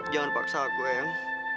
jangan paksa aku eyang